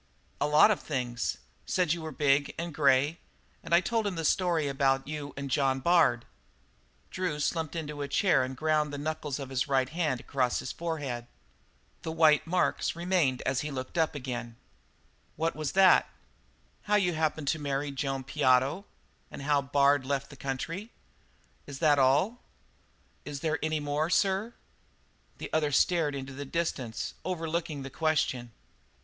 "A lot of things. Said you were big and grey. And I told him that story about you and John Bard." Drew slumped into a chair and ground the knuckles of his right hand across his forehead. The white marks remained as he looked up again. "What was that?" "Why, how you happened to marry Joan Piotto and how Bard left the country." "That was all?" "Is there any more, sir?" The other stared into the distance, overlooking the question.